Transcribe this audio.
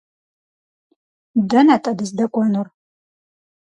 Дэнэ-тӏэ дыздэкӏуэнур?